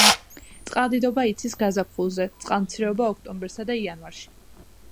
წყალდიდობა იცის გაზაფხულზე, წყალმცირობა ოქტომბერსა და იანვარში.